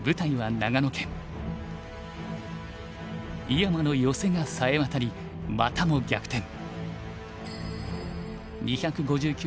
井山のヨセがさえわたりまたも逆転。